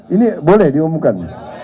ini boleh diumumkan